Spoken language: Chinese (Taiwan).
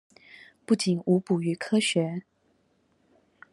不僅無補於科學